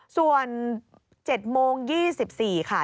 ส่วน๗โมง๒๔นาทีค่ะ